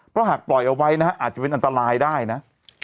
เพราะหากปล่อยเอาไว้นะฮะอาจจะเป็นอันตรายได้นะ